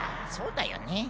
そうだよね。